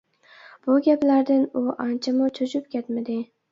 بۇ گەپلەردىن ئۇ ئانچىمۇ چۆچۈپ كەتمىدى.